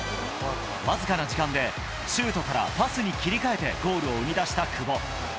僅かな時間で、シュートからパスに切り替えてゴールを生み出した久保。